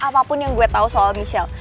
apapun yang gue tahu soal michelle